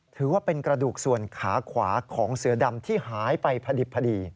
ถือว่าเป็นกระดูกส่วนขาขวาของเสือดำที่หายไปพอดิบพอดี